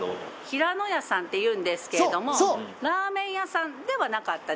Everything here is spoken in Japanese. ひらのやさんっていうんですけれどもラーメン屋さんではなかったですね。